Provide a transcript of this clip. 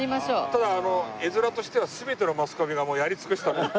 ただあの絵面としては全てのマスコミがもうやり尽くしたという。